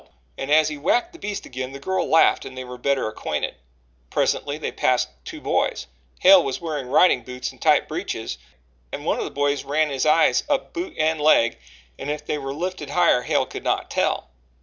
And, as he whacked the beast again, the girl laughed and they were better acquainted. Presently they passed two boys. Hale was wearing riding boots and tight breeches, and one of the boys ran his eyes up boot and leg and if they were lifted higher, Hale could not tell.